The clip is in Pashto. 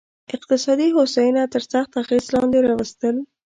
اقتصادي هوساینه تر سخت اغېز لاندې راوستل.